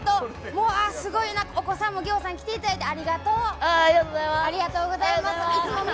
お子さんもぎょうさん来ていただいてありがとうございます。